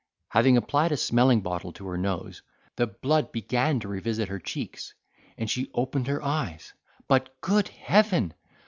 Having applied a smelling bottle to her nose, the blood began to revisit her cheeks, and she opened her eyes; but, good heaven!